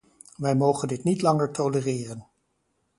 Wij mogen dit niet langer tolereren.